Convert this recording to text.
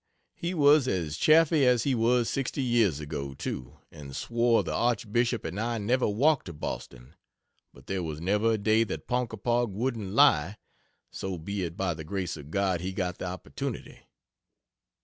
He was as chaffy as he was sixty years ago, too, and swore the Archbishop and I never walked to Boston but there was never a day that Ponkapog wouldn't lie, so be it by the grace of God he got the opportunity.